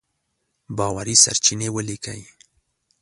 باوري سرچينې وليکئ!.